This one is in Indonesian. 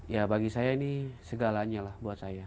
ya bagi saya ini segalanya lah buat saya